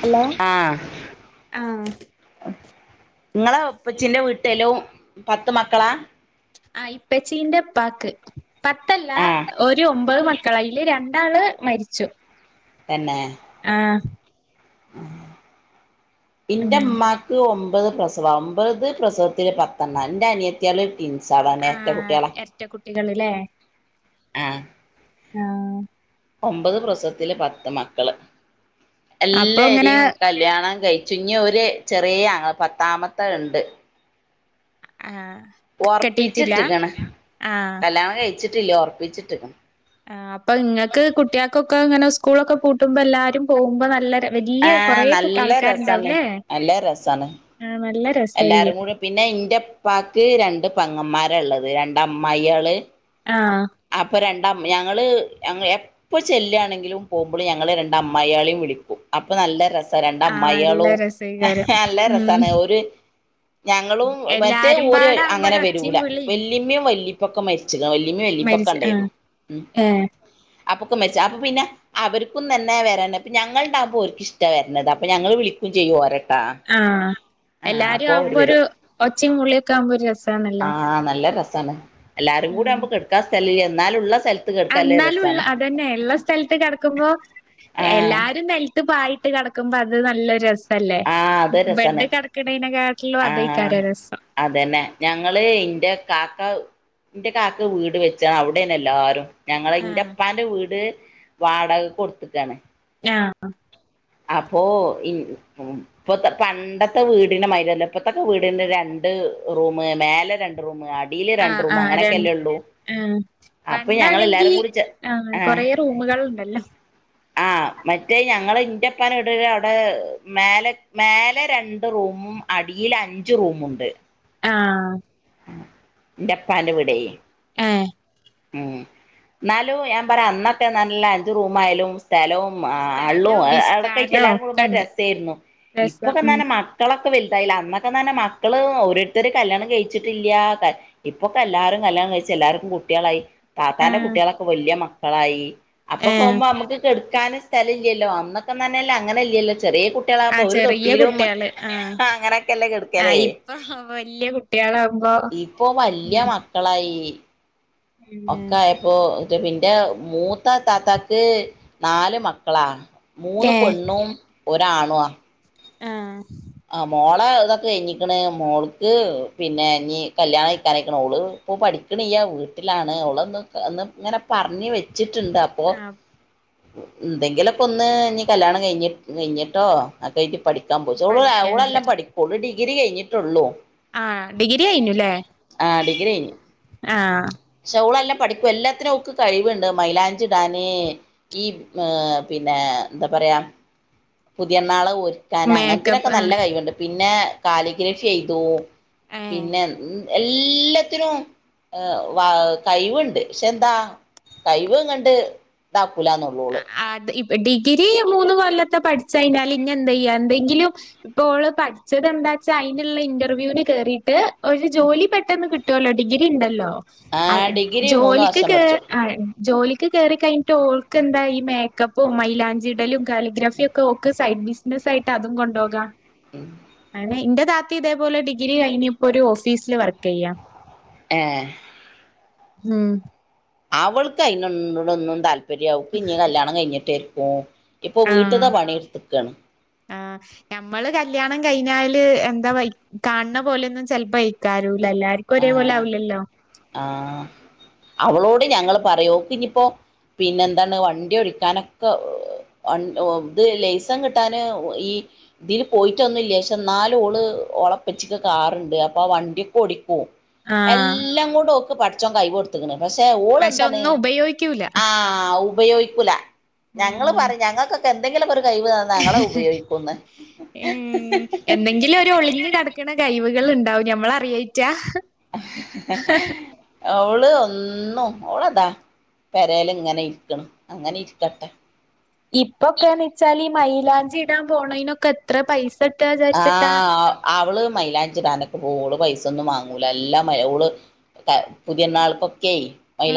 Hello ആഹ് ആ നിങ്ങളെ ഉപ്പച്ചിന്റെ വീട്ടെല്ലോ പത്ത് മക്കളാ ആ ഇപ്പച്ചീന്റെ ഇപ്പാക്ക് പത്തല്ല ആഹ് ഒരു ഒമ്പത് മക്കളാ അയില് രണ്ടാള് മരിച്ചു തന്നെ ആ എന്റെ അങ്ങനെ ഉമ്മാക്ക് ഒൻപത് ഒമ്പത് പ്രസവം ഒമ്പത് പ്രസവത്തിൽ പത്തെണ്ണം എൻ്റെ അനിയത്തിയാൽ ആ ഇരട്ട കുട്ടികളല്ലേ ആ ആ ഒമ്പത് പ്രസവത്തിലെ പത്ത് മക്കള് അപ്പൊ ഇങ്ങനെ എല്ലായിരും കല്യാണം കഴ ചുഞ്ഞ ഒരു ചെറിയ ആങ്ങള പത്താമത്തെ ഉണ്ട് ആ ഉറപ്പിച്ചിട്ടക്കണ് ആഹ് കല്യാണം കഴ ചിട്ടില്ല ഉറപ്പിച്ചേട്ടുന് ആ അപ്പൊ നിങ്ങക്ക് കുട്ടികൾക്കൊക്കെ ഇങ്ങനെ സ്കൂളൊക്കെ പൂട്ടുമ്പോൾ എല്ലാരും പോകുമ്പോ നല്ല വല്യ ആ കൊറേ നല്ല രസമാണ് ആൾക്കാരുണ്ടാവുംല്ലേ നല്ല രസമാണ് ആഹ് നല്ല എല്ലാരും രസായിരിക്കും കൂടി പിന്നെ എൻ്റെഉപ്പക്കു രണ്ട് പെങ്ങന്മാര ആരള്ളത് രണ്ട് അമ്മായികള് ആഹ് അപ്പൊ രണ്ട് ഞങൾ എപ്പൊ ചെല്യാണെങ്കിലും പോകുമ്പോൾ ഞങ്ങള് രണ്ട് അമ്മായിയാളെയും വിളിക്കും അപ്പൊ നല്ല ര രണ്ട് ആഹ് നല്ല അമ്മായികളും രസേക്കാരം നല്ല ഉം രസമാണ് ഒരു ഞങ്ങളും മറ്റേ എല്ലാരും ഒരു പാടാവുമ്പോ അങ്ങനെ ഒരു ഒച്ചിം വരൂല വിളിം വല്ലിയമ്മയും വല്യുപ്പയും ഉപ്പാക്കെ മരിച്ചത വല്ല്യുമ്മ മരിച്ച ആ ഏ അപ്പൊക്കെ മെച്ച അപ്പ പിന്നെ അവർക്കും തന്നെ വരൻ ഇപ്പ ഞങ്ങളണ്ടാകുമ്പോ അവർക്ക് ഇഷ്ടം വര അപ്പൊ ഞങ്ങൾ വിളിക്കും ചെയ്യോ ഒരൊക്കെ ആ എല്ലാരും അവര് ആവുമ്പോ ഒരു വരും ഒച്ചി മളിയൊക്കെ ആവുമ്പോ ഒരു രസമാന്നല്ലോ തന്നെ എല്ലാരും കൂടി നമ്മ എന്നുള്ള എന്നാലുംള്ള അതന്നെ ഉള്ള സ്ഥലത്ത് കിടക്കുമ്പോ ആഹ് എല്ലാരും നിലത്ത് പായി നട്ട കിടക്കുമ്പോ അത് നല്ലൊരുസ ആഹ അത രസനെ ആഹ അതേക്കാരം രസം അതന്നെ ഞങ്ങള് ഇന്റെ കാക്ക എന്റെ കാക്ക വീട് വെച്ചാണ് അവിടെന്നെ എല്ലാരും ഞങ്ങളൾ ആഹ് ഇൻ്പ്പാൻ്റെ വീട് വാടക കൊടുത്തട്ടാണ് ആഹ അപ്പൊ ഇപ്പത്തെ പണ്ടത്തെ വീടിിന മരന്ന ഇപ്പത്തൊക്കെ വീടിന്റെ രണ്ട് റൂം മേലെ രണ്ട് റൂമ ആ ആ രണ്ട് ആ അപ്പൊ പണ്ടാണെങ്കി ഞങ്ങളെല്ലാരും കൂടി ചെ ആ കൊറെ റൂമുകൾ ഇണ്ടല്ലോ ആഹ് മറ്റേ ഞങ്ങള് ഇറപ്പന ഇട അവിടെ മേലെ മേലെ രണ്ട് റൂമും അടിൽ അഞ്ചു റൂമുണ്ട് ആഹ് ഇപ്പാൻ്റെവിടെ ആഹ് ഉം എന്നാലും ഞാൻ പറയാ അന്നത്തെ നല്ല അഞ്ചു റൂം ആയാലും സ്ഥലവും അള്ളും സ്ഥലോം അടൊക്കെയിട്ട് വിസ്താരോം എല്ലാവർക്കു ഒക്കെണ്ട് രസായിരുന്നു രസം ഉം ഇപ്പൊക്കെന്നെ മക്കളെ വലുതായില്ല അന്നൊക്കെ തന്നെ മക്കള് ഓരോരുത്തരു കല്യാണം കഴി ച്ചിട്ടില്ല ഇപ്പൊക്കെ എല്ലാവരും കല്യാണം കഴിച്ചു എല്ലാർക്കും കുട്ടികളായി താത്താന്റെ ആഹ് കുട്ടികളൊക്കെ വല്ല്യ മക്ക കളായി അപ്പൊ ഏഹ് പോവുമ്പോ നമ്മുക്ക് ക്കെടു ക്കാനും സ്ഥലം ഇല്ലല്ലോ അന്നൊക്കെന്നെല്ലോ അങ്ങനെ ഇല്ലല്ലോ ചെറിയ കുട്ടികളാകുമ്പോ ആഹ് ഒരു ചെറിയ തൊട്ടിയിലും കുട്ടികള് ആഹ് അങ്ങനെയൊക്കെല്ലേ ആ കിടുക്കല് ഇപ്പൊ വല്യ കുട്ടികളാകുമ്പോ ഇപ്പൊ വല്യ മക്കളായി യി ഉം ഒക്കാ ആയപ്പോ ചെവിന്റെ മൂ ത്ത താത്തക്ക് നാല് മക്കളാ മൂന്ന് ഏ പെണ്ണും ഒ രു ആണുആ ആ ആ മോളെ ഇതൊക്കെ കഴഞ്ഞിക്കണ് മോൾക്ക് പിന്നെ ഞ് കല്യാണം കഴിക്കാനായിക്ക്ണ് ഓള് ഇപ്പൊ പഠിക്കണ്ല്ല വീട്ടിലാണ് ഒള് ഒന്ന് ഇങ്ങനെ പറഞ്ഞഞ് വെച് വച്ചിട്ടുണ്ടാപ്പൊ എന്തെങ്കിലൊക്ക ഒന്ന് ഇനി കല്യാണം കഴിഞ്ഞി കഴിഞ്ഞിട്ടോ അക്കെ പഠി ഓള് പഠിക്കാ വിചാരിച്ചു ഒള്നല്ലാപഠിക്കോളൂ ഡി ഗിരി കഴിഞ്ഞിട്ടുള്ളൂ ആ ഡിഗ്രി കയിനുല്ലേ ആ ആ സ്കൂളെല്ലാം പഠിക്കും എല്ലാത്തിനും ഒക്ക് കഴിവുണ്ട് മൈലാഞ്ചിടാന് ഈ പിന്നെ എന്താ പറയാ പുതിയ ണാളെ ഒരുക് ക്കാണ് അങ്ങനത്തിനൊക്കെ മേക്കപ്പ് ആ നല്ല കൈവുണ്ട് പിന്നെ കാലിഗ്രഫി ചെയ്തു ഏ പിന്നെ എല്ലാത്തിനും വ കഴിവുണ്ട് പക്ഷെ എന്താ കഴിവ് അങ്ങ്ണ്ട് ത പുലാന്നുള്ളോള് അത് ഇപ് ഡിഗ്രി മൂന്ന് കൊല്ലത്തെ പഠിച്ച് കഴിഞ്ഞാല് ഇങ്ങ എന്ത് ചെയ്യാ എന്തെങ്കിലും ഇപ്പോള് പഠിച്ചത് എന്താച്ചാ അയിനുള്ള ഇന്റർവ്യൂവിന് കേറീട്ട് ഒരു ജോലി പെട്ടെന്ന് കിട് ട്ടോലോ ഡിഗ്രി ഇണ്ടല്ലോ ആ ഡിഗ്രി മൂന്ന് ജോലിക്ക് വർഷം കേ പഠിച്ചു ആ ജോലിക്ക് കയറി കഴഞ്ഞട്ട് ഓ ഓക്ക് എന്താ ഈ മേക്കപ്പും മൈലാഞ്ചിടലും കാലിഗ്രഫിയ ഓക്ക് സൈഡ് ബിസിനസ് ആയിട്ട് അതും കൊണ്ടോകാം. മ് എന്റെ താത്തി ഇതേപോലെ ഡിഗ്രി കഴിഞ്ഞപ്പോ ഒരു ഓഫീസില് വർക്ക് ചെയ്യാ ഏ മ് അവൾക്ക് അതിനോട ഒന്നും താല് ഇരി അവൾക്ക് ഇനി കല്യാണം കയിഞ്ഞിട്ടേ [unintelligible] ഇപ്പൊ ആഹ് വീട്ടത് പണിയെടുത്തക്കാണ് ആഹ് ഞമ്മള് കല്യാണം കഴിഞ്ഞാല് എന്താ കാണന്ന പോലൊന്നും ചിലപ്പ [unintelligible] ആ ആ ആ അവളോട് ഞങ്ങള് പറോക്ക ഇനിപ്പോ പിന്നെ എന്താണ് വണ്ടി ഒടിക്കാനൊക്കെ ഇത് ലൈസൻ കിട്ടാന് ഈ ഇതിൽ പോയിട്ടൊന്നുല്ല ക്ഷെ എന്നാലും ഓള് ഒളപ്പച്ചെ കാറുണ്ട് അപ്പൊ വണ്ടിയൊക്കെ ഓടി ആഹ് എല്ലാം കൂടെ ഓക്ക് പടച്ചോൻ കൈവ് കൊട് ത്ത്ക്ക്ണ് പക്ഷെ ഓള് പക്ഷെ എന്താണ് ഒന്നും ഉപയോഗിക്കൂല ആ ഉപയോഗിക്കൂല ഉം ഞങ്ങള് പറയും ഞങ്ങക്കൊക്കെ എ എന്തെങ്കിലോക്കൊരു എന്തെങ്കിലും ഒരു ഒളിഞ്ഞു കിടക്കണ കയിവ് ഉണ്ടാവും ഞമ്മള് അറിയയിറ്റാ അവള് ഒന്നും മോളതാ പെരേല് ഇങ്ങനെ ഇരിക്കണം അങ്ങനെ ഇരിക്കട്ടെ ഇപ്പൊക്കെയന്ന് വെച്ചാല് മൈയിലാഞ്ചി ഇടാൻ പോണതിനൊക്കെ എത്ര പൈസ് ആ അവള് മൈലാഞ്ചിടാനൊക്കെ പോള് പൈസ സൊന്നും വാങ്ങൂല എല്ല മരകള് ഓള് പുതിയണാൾക്ക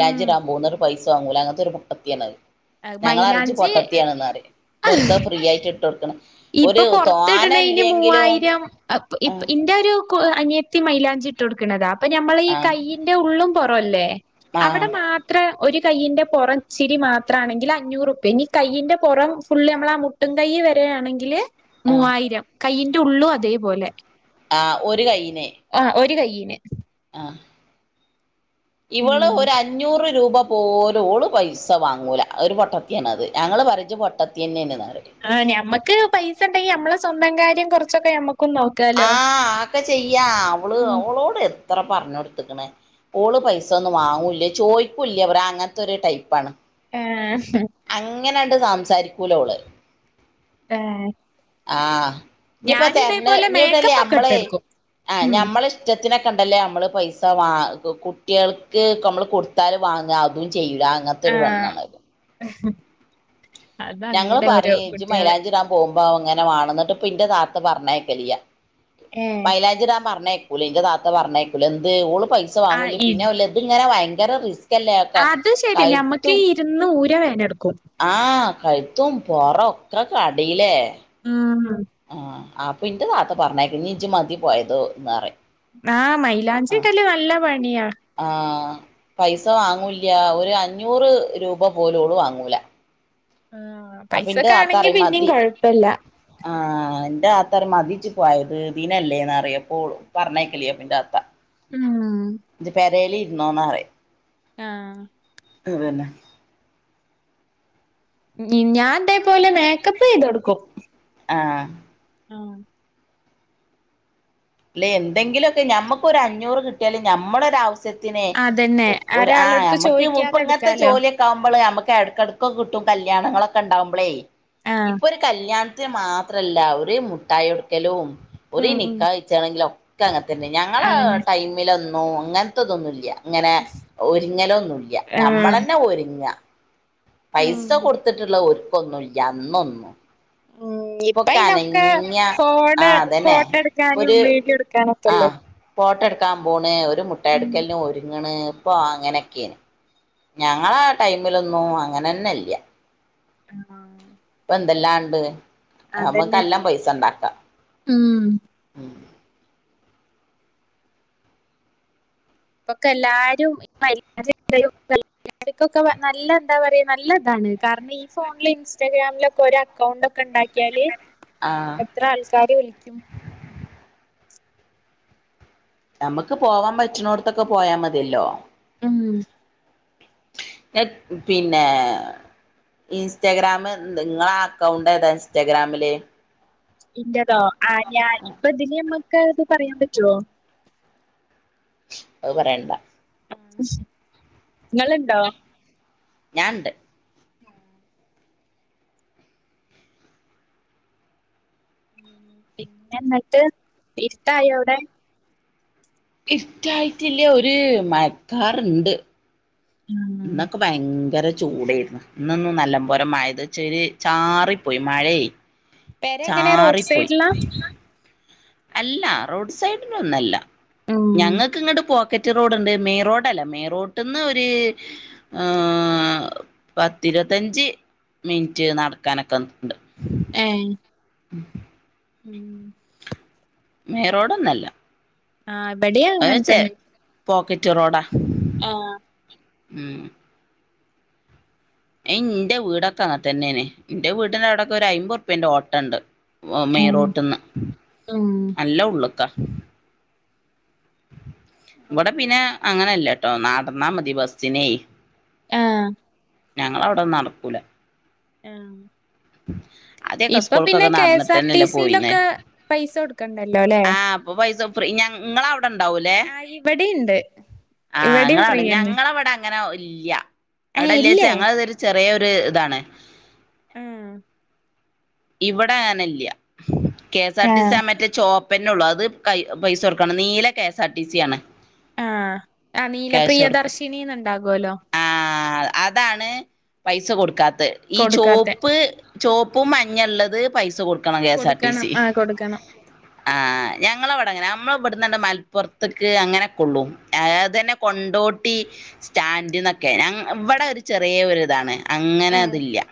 ഉം ഇടാൻ പോകും പൈസ വാങ്ങൂല അങ്ങനത്തെ ഒരു പൊട്ടത്തിയാണത് ഞങ്ങറിം ഇജ്ജ് മൈലാഞ്ചി പൊട്ടത്തിയാണെന്ന് വെറുതെ ഫ്രീ ആയിട്ട് ഇട്ട് കൊടുക്കണം ഇപ്പൊ ഒരു തോനല്ല പൊറത്തിടണേന് മൂവായിരം ഇ ഇന്റൊരു കൊ ഒരു അനിയത്തി മൈലാഞ്ചി ട്ടോടുക്കുന്നതാ അപ്പൊ നമ്മൾ ഈ ആഹ് കയ്യിൻ്റെ ഉള്ളും കുറവല്ലേ ആഹ് അവിടെ മാത്ര ഒരു കയ്യയിൻന്റെ പുറംച്ചിരി മാത്രംമാണെങ്കിൽ അഞ്ഞൂറ്റുപ്യ ഇനി കയ്യയിൻ്ന്റെ പുറം ഫുള്ള് നമ്മൾ ആ മുട്ടും കൈ വരയാണെങ്കിൽ അിലെ ആഹ് മൂവായിരം കൈയിന്റെ ഉള്ളും അതേപോലെ ആ ഒരു കൈനെ പിനെ ആഹ ഇവള് ഉം ഒരു അഞ്ഞൂറ് രൂപ ഓരോള് പൈസ വാങ്ങൂല ഒരു പൊട്ടത്തിയാണ് അത് ഞങ്ങള്ൾ പറരച്ച് പൊട്ടത്തി തന്നെ തന്ന ആഹ ഞമ്മക്ക് പൈസ ഉണ്ടെങ്കി നമ്മളെ സ്വന്തം കാര്യം കുറച്ചൊക്കെ നമ്മക്ക് ആഹ് ഒക്കെ ചെയ്യാ അവള് ഉം അവളോട് അത്ര പറഞ്ഞഞ് കൊടുത്തക്കണേ കൂള് പൈസ ഒന്നും വാങ്ങൂില്ല ചോദിക്കൂില്ല അവ അങ്ങനത്തെ ഒരു ടൈപ്പാണ് ആഹ അങ്ങനെയണ്ട് സംസാരിക്കൂലോള് ആഹ ആഹ് ഇപ്പൊ തരന്ന ഇട്ടല്ലേ മേക്കപ്പൊക്കെ നമ്മളെ ഇട്ടൊടുക്കും ആ ഉം ഞമ്മള ഇഷ്ട ത്തിനെ കണ്ടല്ലേ നമ്മള് പൈസ കുട്ടികൾക്ക് നമ്മള് കൊടുത്താൽ വാങ്ങുക അതും ചെയ്യട അങ്ങനത്തെരു ആഹ് പെണ്ണത് ഞങ്ങള്ൾ അതങ്ങനെ ഓരോ പറയും കുട്ടികള് മൈലാഞ്ചിരിൻ പോകുമ്പോ അഭാവം അങ്ങനെ വണണംന്നിട്ട്പ്പ ഇന്റെ താത്ത് പറഞ്ഞേക്കലിയ ഏ പൈലാഞ്ചിരാൻ പറഞ്ഞേ പുലിന്റെ താത്ത പറഞ്ഞേക്കല എന്ത്ഓ പൈസ ആ വാങ്ങൂല ഇ പിന്നെ ഇത് ഇങ്ങനൊ ഭയങ്കര അല്ലേ ക അത് ശെരി നമ്മുക്ക് ഇരുന്ന് ഊര വ ടുക്കു ആ കഴത്തും പൊറൊക്കെ കടിയിലേ ആ ആ അപ്പൊ ഇന്റെറൊത്ത പറഞ്ഞേക്ക ഇീ ഇഞ്ചി മതി പോയതോ എന്ന് പറ ആഹ് മൈലാഞ്ചീടല് നല്ല പ ആഹ് പൈസ വാങ്ങൂല്ല്യ ഒരു അഞ്ഞൂറ് രൂപ പോലു ഓള് വാങ്ങൂലാ ആഹ് പൈസക്കണെങ്കി പിന്നേം മതി കൊഴപ്പില്ല അത്തറയും മതിച്ചു പോയത് ഇതിനല്ലേന്ന് അറിയപ്പോ ഓള് പറഞ്ഞേക്കലിയപ്പന്റെ അത്ത ഉം ന്നോന്നാറെ ആഹ് അതന്നെ ഞാ തേപോലെ മേക്കപ്പ് ചെയ്ത് കൊടു കൊ ആഹ് ആഹ് അല്ല എന്തെങ്കിലൊക്കെ ഞമ്മക്കൊരു അഞ്ഞൂറ് കിട്ടിയാലും ഞമ്മളൊരസ ത്തിനേ അതന്നെ ഒര് ആഹ് ഒരാളടുത്ത് ചോദിക്കാതെ നമുക്കിപ്പങ്ങത്തെ എടുക്കാലോ ജോലിയൊക്കെ ആകുമ്പോള് നമുക്ക് എടക്കിടക്ക് കിട്ടും കല്യാണങ്ങളൊക്കെ ഇണ്ടാമ്പോളേ ആ ഇപ്പൊ ഒരു കല്യാണ ത് മാത്രല്ല ഒരു മുട്ടായി ഒടുക്കലോം ഒരേ നിക്കാഹ് ലൊക്കെ ന്നെ ഞങ്ങള് അയന്നെ ടൈമിലൊന്ന് നോ അങ്ങനത്തതൊന്നുല്ല്യാ ഇങ്ങനെ ഒരുങ്ങലൊന്നുല്ല ആ ഞമ്മളന്നെ ഒരുങ്ങാ പൈസ ഉം കൊടുത്തിട്ടുള്ള ഒരു ന്നുല്ല്യാ അന്നൊന്നും ഇപ്പ ഇപ്പൊക്കെ അയിനൊക്കെ അനങ്ങിയ ആ ഫോണ് അതന്നെ ഫോട്ടോ ഇപ്പൊ എടുക്കാനും ഒരു വിഡിയോ എടുക്കാനൊക്കെല്ലേ ക്കാമ്പോണേ ഒരു മുട്ട ഉം അടുക്കലിന് ഒരുങ്ങണ് ഇപ്പൊ അങ്ങനെക്കേണ് ഞങ്ങളാ ടൈമിലൊന്നും അങ്ങനെന്നെല്ല്യ. ആഹ് എന്തെല്ലാണ്ട് അമ്മക്ക് അതന്നെ അല്ലം പൈസ ഇണ്ടാക്കാ ഉം ഉം ഇപ്പൊക്കെ എല്ലാരും [unintelligible] നല്ല എന്താ പറയാ നല്ല ഇതാണ് കാരണം ഈ ഫോണില് ഇൻസ്റ്റാഗ്രാമിലൊക്കെ ഒരു അക്കൗണ്ട് ഒക്കെ ഇണ്ടാക്കിയാല് ആഹ് എത്ര ആൾക്കാര് വിളിക്കും. നമ്ക്ക് പോവാൻ പറ്റ്ണോട്ത്തൊക്കെ പോയാ മതിയല്ലോ. ഉം പിന്നെ ഇൻസ്റ്റാഗ്രാമ് നിങ്ങളെ അക്കൗണ്ട് ഏതാ ഇൻസ്റ്റാഗ്രാമില് ഇന്റതോ ആഹ് ഞാൻ ഇപ്പ ഇതില്മ്മക് ക്കെ ഇത് പറയാൻ പറ്റുവോ അത് പറയണ്ട നിങ്ങളുണ്ടോ ഞാന്ണ്ട് പിന്നെ എന്നിട്ട് ഇഷ്ട്ടായോ അവിടെ ഇഷ്ടായിട്ടില്ലേ ഒരു മഴക്കാറുണ്ട് ഉം. ഇന്നൊക്കെ ഭയങ്കര ചൂടേയിരുന്നു ഇന്നന്നും നല്ലപോര മഴന്ന് വെച്ചാല് ചാറിപ്പോയി മഴേ പെരെ എങ്ങനെയാ റോഡ് സൈഡിലാ അല്ല റോഡ് സൈഡിന് ഒന്നല്ല ഉം ഞങ്ങക്ക് ഇങ്ങട്ട് പോക്കെ റ്റ് റോഡ് ഇണ്ട് മെയിൻ റോഡ് അല്ല മെയിൻ റോട്ട്ന്ന് ഒര് ഏ പത്തിരുവത്തഅഞ്ച് മിൻറ്റ് നടക്കാനൊക്കെ ഇണ്ട് ഏ ഉം മെയിറോഡ് ഒന്നു അല്ല ആ ഇബെടിം അങ്ങൻ തെന്നെ പോക്കെറ്റ് റോഡാ ഉം അയ് ഇന്റെ വീടൊക്കെ അങ്ങൻത്തെന്നെ ആണ് ഇന്റെ വീട്ടിന്റെ അയടൊക്കെ ഒര് അയിമ്പൊർപ്പെന്റെ ഓട്ടം ഇണ്ട് വോ ഉം മെയിറോട്ട്ന്ന് ഉം നല്ല ഉള്ള്ക്കാ ഇബടെ പിന്നെ അങ്ങനെ ഇ ല്ലട്ടോ നടന്നാ മതി ബസ്സിനെ ആ ഞങ്ങളെ അയുടെ ഒന്നും നടക്കൂലാ ആ ആദ്യൊക്കെ ഇപ്പൊ പിന്നെ സ്കൂൾക്കൊക്കെ കെഎസ് ആർ ടി നടന്നിട്ടന്നെല്ലേ പോയിന്നേ സിയിലൊക്കെ പൈസ കൊടുക്കണ്ടല്ലോലേ ആ അപ്പൊ പൈസ ഫ്രീ ഞങ്ങളവ്ടെ ക്കെ ണ്ടാവുംലേ ഇവിടെണ്ട് ആ ഇവിടെയും ങ്ങളഅവ്ടെ ഫ്രീയന്നെ ഞ്ഞങ്ങളവ്ടെ അങ്ങനെ ഇല്ല്യ അയുടെ ഏഹ് ഇല്ലെച്ചാ ഇല്ലേ ഞങ്ങളെ ഇതൊര് ചെറെ ഒ ര് താണ്. ആഹ് ഇവടെ അങ്ങനെല്യ K S R T C ആ മറ്റേ ചോ പ്പന്നൊള്ളൂ അത് കൈ പൈസൊട്ക്കാണം നീല കെ എസ് ആർ ടി സ്യാണ്. ആഹ് ആ നീല പ്രിയദർശിനിന്ന്ണ്ടാ കോല്ലോ ആ അതാണ് പൈസ കൊട്ക്കാ ത്തെ ഈ കൊടുക്കാത്തെ ചോപ്പ് ചോപ്പും മഞ്ഞള്ളത് പൈസ കൊടു ക്കണം കെ എസ് ആർ റ്റീ കൊടുക്കണം സി ആഹ് കൊടുക്കണം ആഹ് ഞങ്ങള അവിടെ അങ്ങനാ അമ്മള് ഇ ഇവിടുന്നണ്ട് മലപ്പുറത്ക്ക് അങ്ങനെക്കള്ളു അത് തന്നെ കൊണ്ടോട്ടി സ്റ്റാൻഡന്നൊക്കെ ഞ ഇവിടെ ഒരു ചെറിയ ഒരു ഇതാണ്. അങ്ങനെ ഏഹ് അത് ല്യ.